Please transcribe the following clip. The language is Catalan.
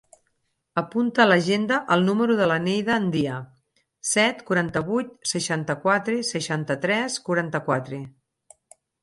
Apunta a l'agenda el número de la Neida Andia: set, quaranta-vuit, seixanta-quatre, seixanta-tres, quaranta-quatre.